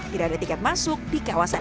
tidak ada tiket masuk di kawasan